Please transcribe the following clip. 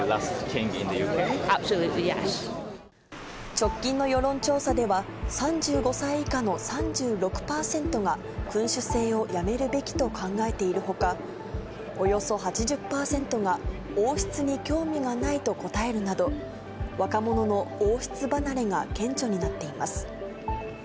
直近の世論調査では、３５歳以下の３６％が君主制をやめるべきと考えているほか、およそ８０％が王室に興味がないと答えるなど、若者の王室離れが顕著になっています。